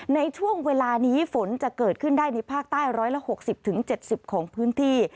ในช่วงเวลานี้ฝนจะเกิดขึ้นได้ในภาคใต้๑๖๐๗๐ของพื้นที่